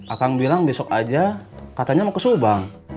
akan bilang besok aja katanya mau ke subang